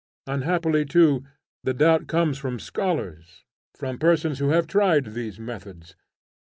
Unhappily too the doubt comes from scholars, from persons who have tried these methods.